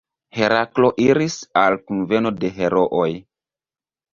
Heraklo iris al kunveno de herooj.